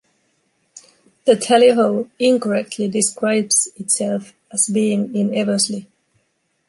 The Tally Ho incorrectly describes itself as being in Eversley.